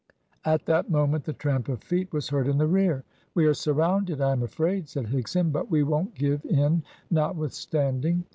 At that moment the tramp of feet was heard in the rear. "We are surrounded, I am afraid," said Higson, "but we won't give in notwithstanding."